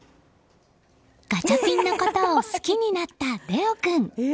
ガチャピンのことを好きになった玲於君。